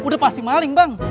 udah pasti maling bang